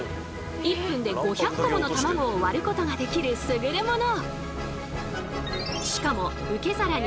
１分で５００個ものたまごを割ることができるすぐれもの。